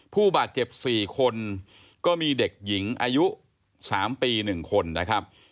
ผู้บาดเจ็บ๔คนก็มีเด็กหญิงอายุ๓ปี๑คนนะครับ